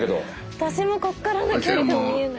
私もこっからの距離見えない。